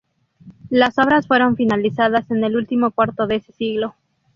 Las obras fueron finalizadas en el último cuarto de ese siglo.